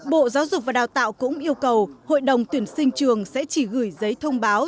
bộ giáo dục và đào tạo cũng yêu cầu hội đồng tuyển sinh trường sẽ chỉ gửi giấy thông báo